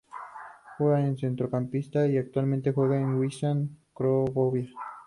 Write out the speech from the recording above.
Juega de centrocampista y actualmente juega en el Wisła Cracovia.